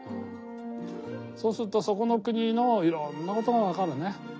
そうするとそこの国のいろんなことが分かるね。